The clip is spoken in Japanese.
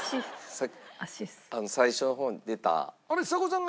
最初の方に出た。